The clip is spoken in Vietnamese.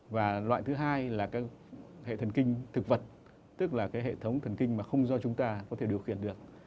và loại thứ hai là các hệ thần kinh thực vật tức là cái hệ thống thần kinh mà không do chúng ta có thể điều khiển được